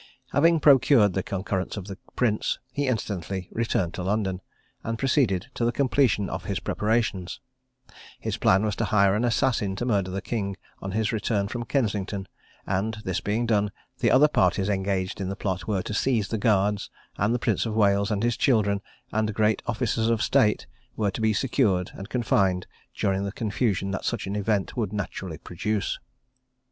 Having procured the concurrence of the prince, he instantly returned to London, and proceeded to the completion of his preparations His plan was to hire an assassin to murder the king on his return from Kensington; and, this being done, the other parties engaged in the plot were to seize the guards; and the Prince of Wales and his children, and the great officers of state, were to be secured, and confined during the confusion that such an event would naturally produce.